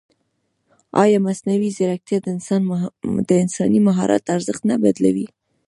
ایا مصنوعي ځیرکتیا د انساني مهارت ارزښت نه بدلوي؟